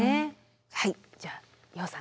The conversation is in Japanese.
はいじゃあ楊さん